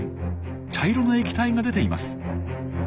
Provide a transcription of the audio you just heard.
茶色の液体が出ています。